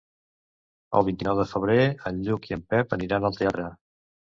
El vint-i-nou de febrer en Lluc i en Pep aniran al teatre.